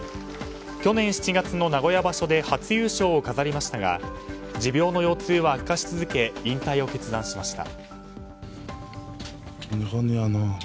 去年７月の名古屋場所で初優勝を飾りましたが持病の腰痛は悪化し続け引退を決断しました。